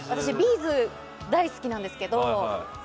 ’ｚ大好きなんですけど